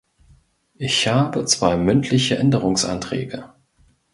Ich habe zwei mündliche Änderungsanträge.